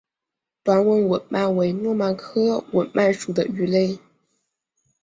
短吻吻鳗为糯鳗科吻鳗属的鱼类。